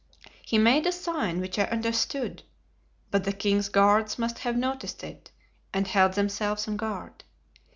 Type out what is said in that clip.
He made a sign, which I understood, but the king's guards must have noticed it and held themselves on guard.